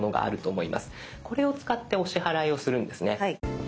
これを使ってお支払いをするんですね。